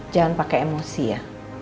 jangan pakai emosi ya